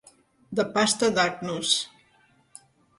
De pasta d'agnus.